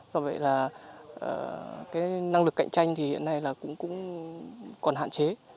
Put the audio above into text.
do vậy là cái năng lực cạnh tranh thì hiện nay là cũng còn hạn chế